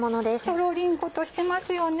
とろりんことしてますよね。